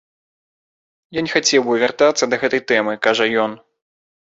Я не хацеў бы вяртацца да гэтай тэмы, кажа ён.